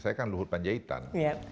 saya kan luhur panjaitan